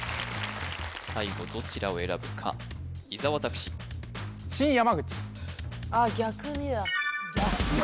最後どちらを選ぶか伊沢拓司「逆に」って何？